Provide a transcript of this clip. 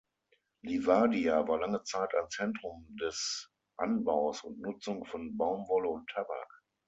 Livadia war lange Zeit ein Zentrum des Anbaus und Nutzung von Baumwolle und Tabak.